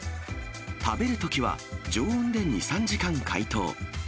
食べるときは、常温で２、３時間解凍。